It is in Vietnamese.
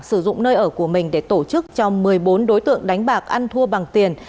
sử dụng nơi ở của mình để tổ chức cho một mươi bốn đối tượng đánh bạc ăn thua bằng tiền